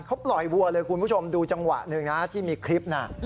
เขาปล่อยวัวเลยคุณผู้ชมดูจังหวะหนึ่งนะที่มีคลิปน่ะ